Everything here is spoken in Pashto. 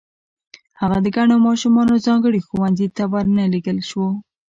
هغه د کڼو ماشومانو ځانګړي ښوونځي ته و نه لېږل شو